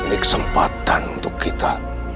ini kesempatan untuk kita